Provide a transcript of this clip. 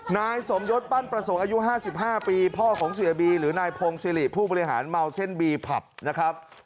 นายสมยศปั้นประสงค์อายุ๕๕ปีพ่อของเสียบีหรือนายพงศิริผู้บริหารเมาเท่นบีผับนะครับ